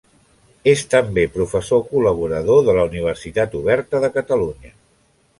És també professor col·laborador de la Universitat Oberta de Catalunya.